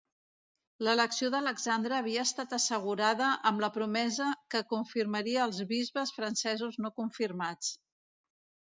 L'elecció d'Alexandre havia estat assegurada amb la promesa que confirmaria els bisbes francesos no confirmats.